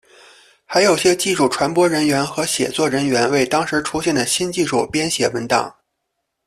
还有些技术传播人员和写作人员为当时出现的新技术编写文档。